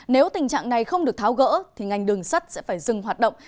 nếu tình trạng này không được tháo gỡ thì ngành đường sắt sẽ phải dừng hoạt động